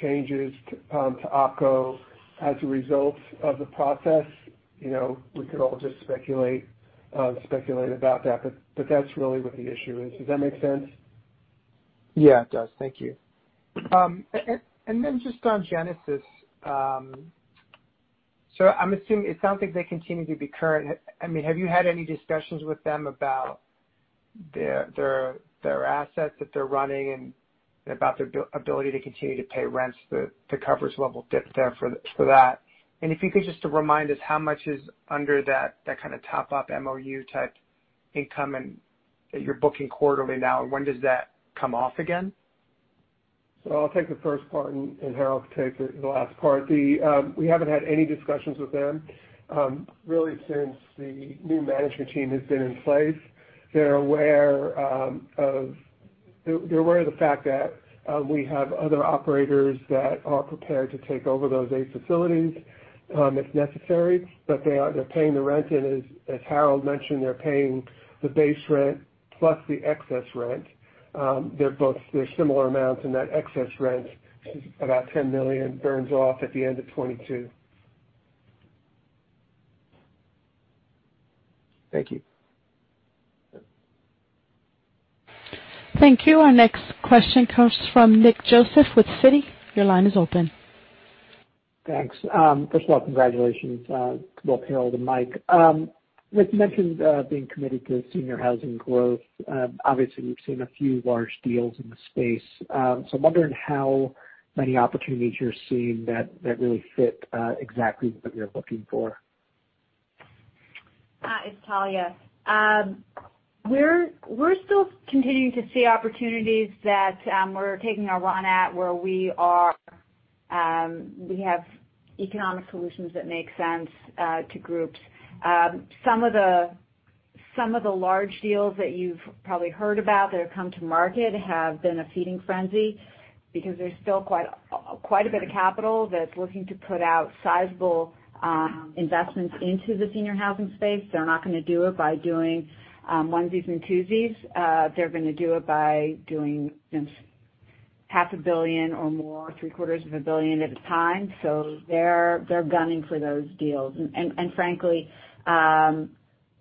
changes to OpCo as a result of the process, we could all just speculate about that. That's really what the issue is. Does that make sense? Yeah, it does. Thank you. Just on Genesis, so it sounds like they continue to be current. Have you had any discussions with them about their assets that they're running and about their ability to continue to pay rents, the coverage level there for that? If you could just remind us how much is under that kind of top-up MOU type income that you're booking quarterly now, and when does that come off again? I'll take the first part, and Harold can take the last part. We haven't had any discussions with them really since the new management team has been in place. They're aware of the fact that we have other operators that are prepared to take over those eight facilities if necessary. They're paying the rent, and as Harold mentioned, they're paying the base rent plus the excess rent. They're similar amounts in that excess rent, about $10 million burns off at the end of 2022. Thank you. Thank you. Our next question comes from Nick Joseph with Citi. Your line is open. Thanks. First of all, congratulations, both Harold and Mike. Rick mentioned being committed to senior housing growth. Obviously, we've seen a few large deals in the space. I'm wondering how many opportunities you're seeing that really fit exactly what you're looking for. It's Talya. We're still continuing to see opportunities that we're taking a run at, where we have economic solutions that make sense to groups. Some of the large deals that you've probably heard about that have come to market have been a feeding frenzy, because there's still quite a bit of capital that's looking to put out sizable investments into the senior housing space. They're not going to do it by doing onesies and twosies. They're going to do it by doing $500 million or more, $750 million at a time. They're gunning for those deals. Frankly,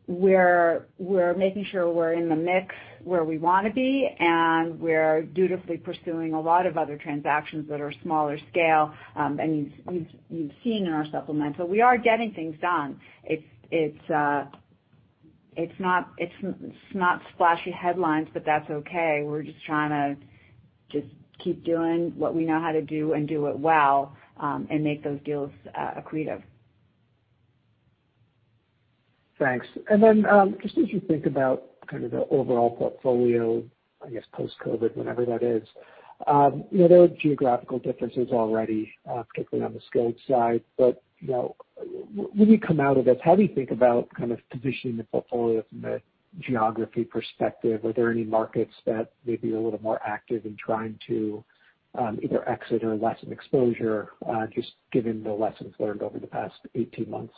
we're making sure we're in the mix where we want to be, and we're dutifully pursuing a lot of other transactions that are smaller scale, and you've seen in our supplemental. We are getting things done. It's not splashy headlines, but that's okay. We're just trying to keep doing what we know how to do and do it well, and make those deals accretive. Thanks. Just as you think about kind of the overall portfolio, I guess post-COVID, whenever that is. There are geographical differences already, particularly on the skilled side. But when you come out of this, how do you think about kind of positioning the portfolio from a geography perspective? Are there any markets that may be a little more active in trying to either exit or lessen exposure, just given the lessons learned over the past 18 months?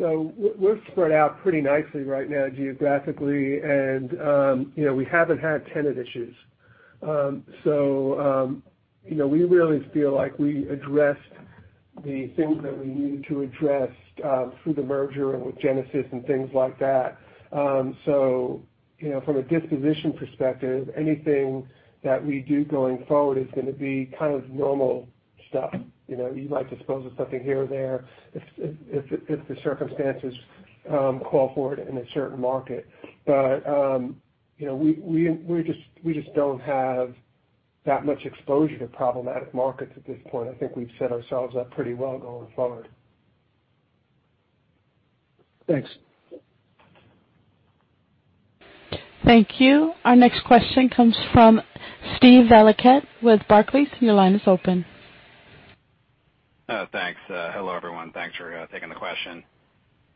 We're spread out pretty nicely right now geographically, and we haven't had tenant issues. We really feel like we addressed the things that we needed to address through the merger and with Genesis and things like that. From a disposition perspective, anything that we do going forward is going to be kind of normal stuff. You'd like to dispose of something here or there if the circumstances call for it in a certain market. We just don't have that much exposure to problematic markets at this point. I think we've set ourselves up pretty well going forward. Thanks. Thank you. Our next question comes from Steve Valiquette with Barclays. Your line is open. Thanks. Hello, everyone. Thanks for taking the question.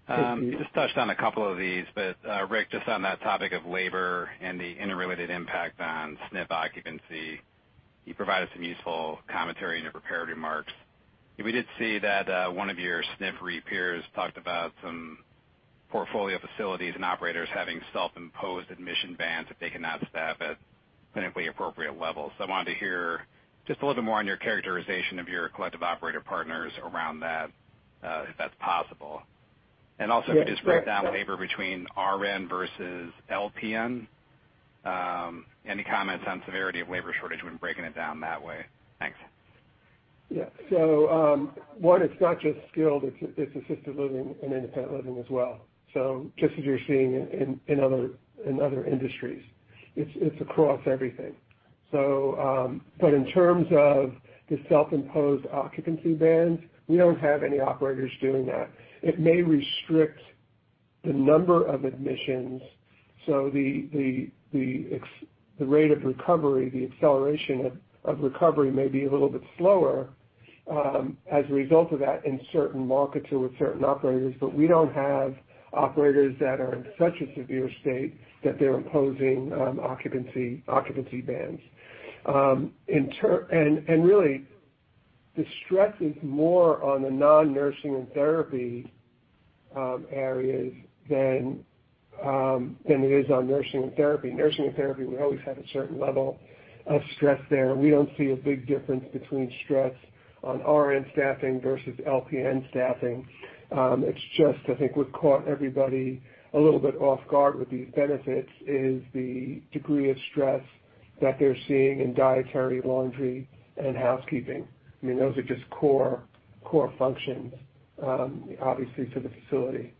Sure. You just touched on a couple of these, but Rick, just on that topic of labor and the interrelated impact on SNF occupancy, you provided some useful commentary in your prepared remarks. We did see that one of your SNF-REIT peers talked about some portfolio facilities and operators having self-imposed admission bans if they cannot staff at clinically appropriate levels. I wanted to hear just a little bit more on your characterization of your collective operator partners around that, if that's possible. Also. Yeah, sure. If you just break down labor between RN versus LPN, any comments on severity of labor shortage when breaking it down that way? Thanks. One, it's not just skilled, it's assisted living and independent living as well. Just as you're seeing in other industries. It's across everything. In terms of the self-imposed occupancy bans, we don't have any operators doing that. It may restrict the number of admissions, so the rate of recovery, the acceleration of recovery may be a little bit slower, as a result of that in certain markets or with certain operators. We don't have operators that are in such a severe state that they're imposing occupancy bans. Really, the stress is more on the non-nursing and therapy areas than it is on nursing and therapy. Nursing and therapy, we always have a certain level of stress there. We don't see a big difference between stress on RN staffing versus LPN staffing. It's just, I think what caught everybody a little bit off guard with these benefits is the degree of stress that they're seeing in dietary, laundry, and housekeeping. Those are just core functions, obviously, for the facility.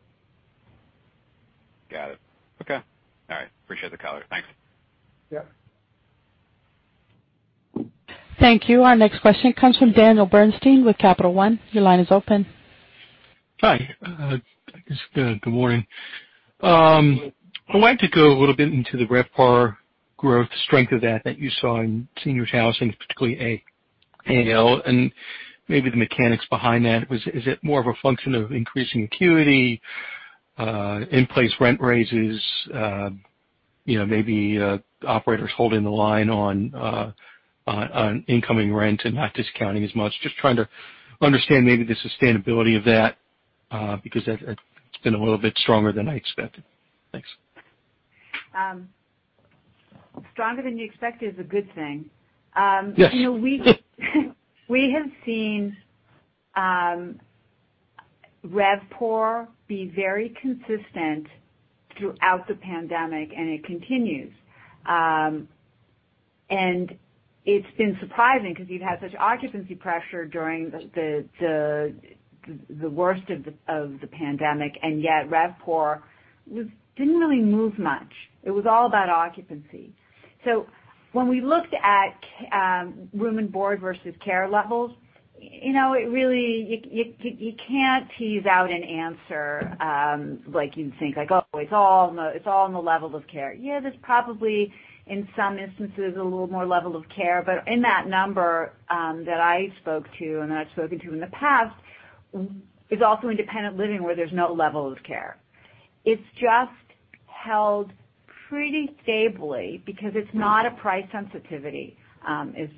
Got it. Okay. All right. Appreciate the color. Thanks. Yeah. Thank you. Our next question comes from Daniel Bernstein with Capital One. Your line is open. Hi. Good morning. I wanted to go a little bit into the RevPOR growth strength of that that you saw in senior housing, particularly and maybe the mechanics behind that. Is it more of a function of increasing acuity, in-place rent raises, maybe operators holding the line on incoming rent and not discounting as much? Just trying to understand maybe the sustainability of that, because that's been a little bit stronger than I expected. Thanks. Stronger than you expected is a good thing. Yes. We have seen RevPOR be very consistent throughout the pandemic. It continues. It's been surprising because you've had such occupancy pressure during the worst of the pandemic, yet RevPOR didn't really move much. It was all about occupancy. When we looked at room and board versus care levels, you can't tease out an answer like you'd think, like, oh, it's all in the level of care. Yeah, there's probably, in some instances, a little more level of care. In that number that I spoke to and that I've spoken to in the past, is also independent living where there's no level of care. It's just held pretty stably because it's not a price sensitivity.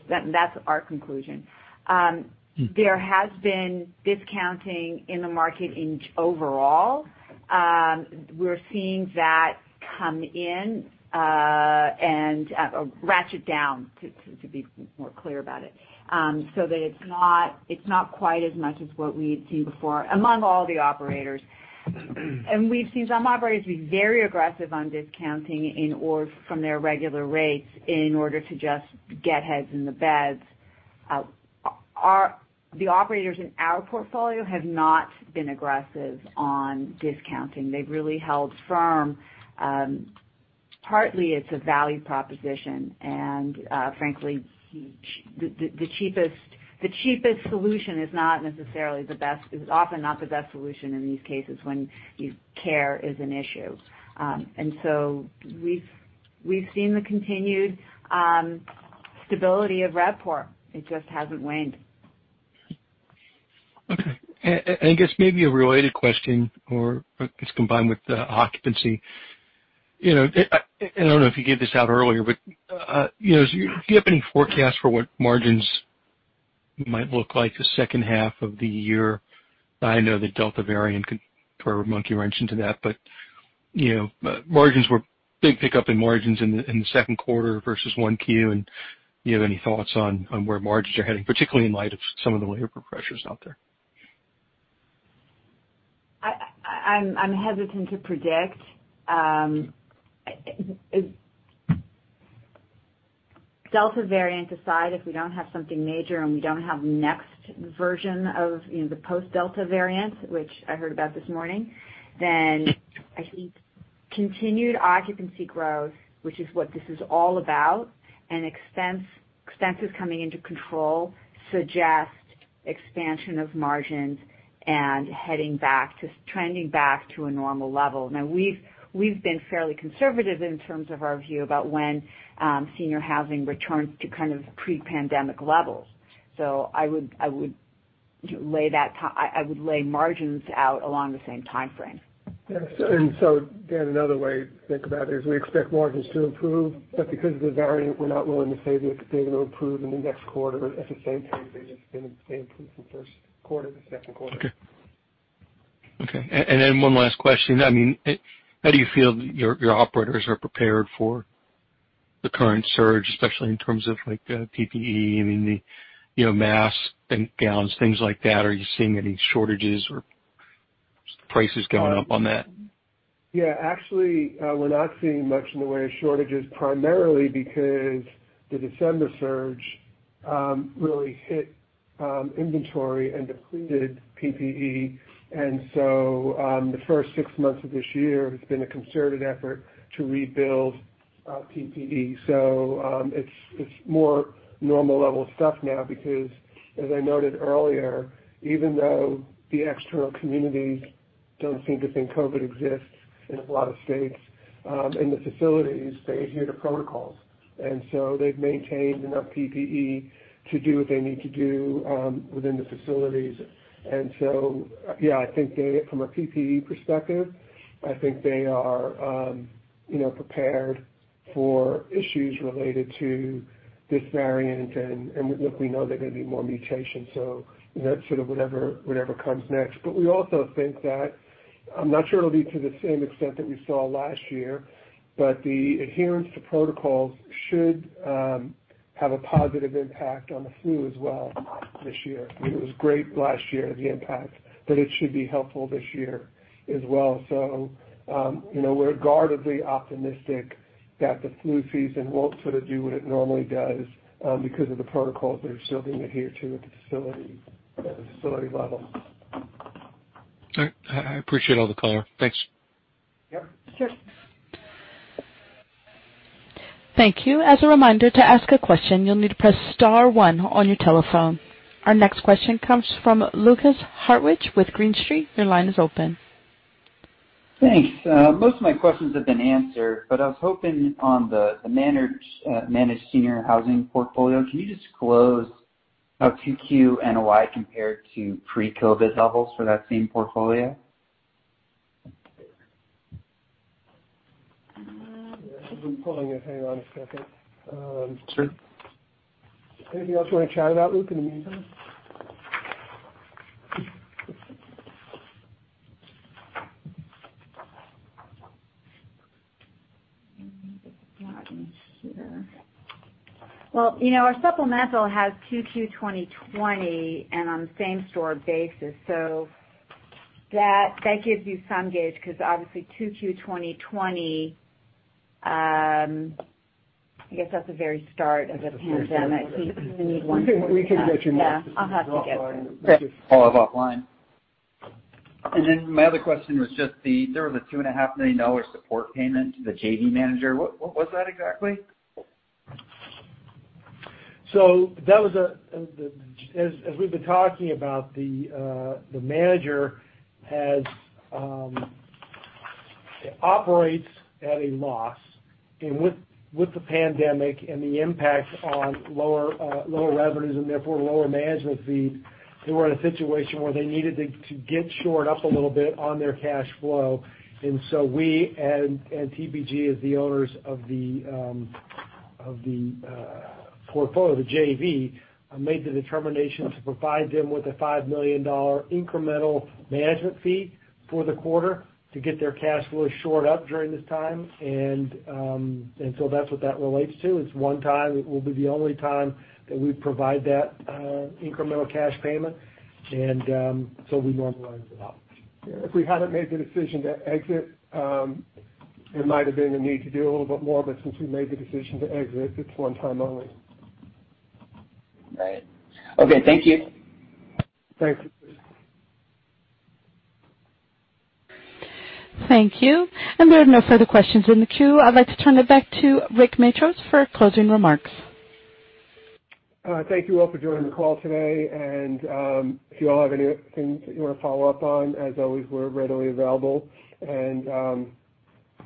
That's our conclusion. There has been discounting in the market overall. We're seeing that come in and ratchet down, to be more clear about it, so that it's not quite as much as what we had seen before, among all the operators. We've seen some operators be very aggressive on discounting from their regular rates in order to just get heads in the beds. The operators in our portfolio have not been aggressive on discounting. They've really held firm. Partly it's a value proposition, and frankly, the cheapest solution is often not the best solution in these cases when care is an issue. We've seen the continued stability of RevPOR. It just hasn't waned. Okay. I guess maybe a related question, or it's combined with the occupancy. I don't know if you gave this out earlier, but do you have any forecasts for what margins might look like the second half of the year? I know the Delta variant could throw a monkey wrench into that, but margins were big pickup in margins in the second quarter versus 1Q, and do you have any thoughts on where margins are heading, particularly in light of some of the labor pressures out there? I'm hesitant to predict. Delta variant aside, if we don't have something major and we don't have next version of the post-Delta variant, which I heard about this morning, I think continued occupancy growth, which is what this is all about, and expenses coming into control suggest expansion of margins and heading back to trending back to a normal level. We've been fairly conservative in terms of our view about when senior housing returns to kind of pre-pandemic levels. I would lay margins out along the same timeframe. Yes. Dan, another way to think about it is we expect margins to improve, but because of the variant, we're not willing to say that they're going to improve in the next quarter. At the same time, they just didn't improve from first quarter to second quarter. Okay. One last question. How do you feel your operators are prepared for the current surge, especially in terms of PPE, I mean, the masks and gowns, things like that? Are you seeing any shortages or prices going up on that? Yeah, actually, we're not seeing much in the way of shortages, primarily because the December surge really hit inventory and depleted PPE. The first six months of this year has been a concerted effort to rebuild PPE. It's more normal level stuff now because, as I noted earlier, even though the external communities don't seem to think COVID exists in a lot of states, in the facilities, they adhere to protocols, and so they've maintained enough PPE to do what they need to do within the facilities. Yeah, I think from a PPE perspective, I think they are prepared for issues related to this variant, and look, we know there are going to be more mutations, so that's sort of whatever comes next. We also think that, I'm not sure it'll be to the same extent that we saw last year, but the adherence to protocols should have a positive impact on the flu as well this year. It was great last year, the impact that it should be helpful this year as well. We're guardedly optimistic that the flu season won't sort of do what it normally does because of the protocols that are still being adhered to at the facility level. All right. I appreciate all the color. Thanks. Yep. Sure. Thank you. As a reminder, to ask a question, you will need to press star one on your telephone. Our next question comes from Lukas Hartwich with Green Street. Your line is open. Thanks. Most of my questions have been answered, but I was hoping on the managed senior housing portfolio, can you disclose how 2Q NOI compared to pre-COVID levels for that same portfolio? Yeah. I'm pulling it. Hang on a second. Sure. Anything else you want to chat about, Lukas, in the meantime? Well, our supplemental has 2Q 2020 and on the same store basis. That gives you some gauge because obviously 2Q 2020, I guess that's the very start of the pandemic. We can get you more. Yeah. I'll have to get one. I'll follow up offline. My other question was just there was a $2.5 million support payment to the JV manager. What was that exactly? That was, as we've been talking about, the manager operates at a loss. With the pandemic and the impact on lower revenues and therefore lower management fees, they were in a situation where they needed to get shored up a little bit on their cash flow. We, and TPG as the owners of the portfolio, the JV, made the determination to provide them with a $5 million incremental management fee for the quarter to get their cash flow shored up during this time. That's what that relates to. It's one-time. It will be the only time that we provide that incremental cash payment. We normalize it out. If we hadn't made the decision to exit, it might've been a need to do a little bit more. Since we made the decision to exit, it's one time only. Right. Okay, thank you. Thank you. Thank you. There are no further questions in the queue. I'd like to turn it back to Rick Matros for closing remarks. Thank you all for joining the call today, and if you all have anything that you want to follow up on, as always, we're readily available.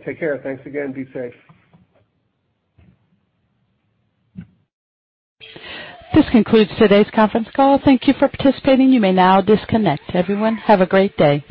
Take care. Thanks again. Be safe. This concludes today's conference call. Thank you for participating. You may now disconnect. Everyone, have a great day.